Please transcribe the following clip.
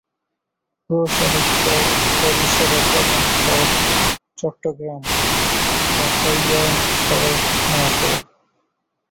রাঙ্গুনিয়া পৌরসভার প্রধান সড়ক চট্টগ্রাম-কাপ্তাই মহাসড়ক।